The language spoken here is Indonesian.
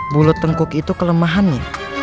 bulu tengkuk itu kelemahannya